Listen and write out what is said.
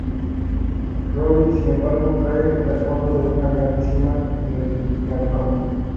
Rory, sin embargo, cae al fondo de una gran sima en el Manicomio.